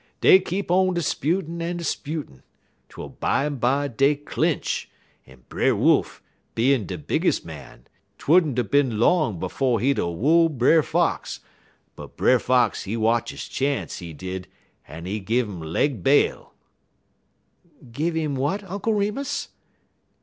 Dey keep on 'sputin' en 'sputin', twel bimeby dey clinch, en Brer Wolf, bein' de bigges' man, 't would n't a bin long 'fo' he'd a wool Brer Fox, but Brer Fox, he watch he chance, he did, en he gin 'im leg bail." "Gave him what, Uncle Remus?"